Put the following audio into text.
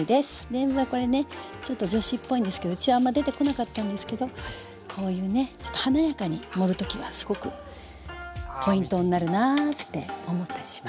でんぶはこれねちょっと女子っぽいんですけどうちはあんま出てこなかったんですけどこういうねちょっと華やかに盛る時はすごくポイントになるなって思ったりします。